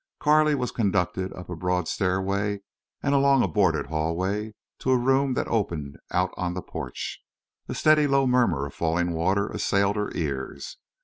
Carley was conducted up a broad stairway and along a boarded hallway to a room that opened out on the porch. A steady low murmur of falling water assailed her ears.